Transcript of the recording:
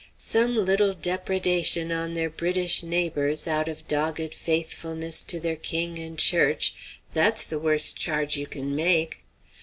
Some little depredation on their British neighbors, out of dogged faithfulness to their king and church, that's the worst charge you can make.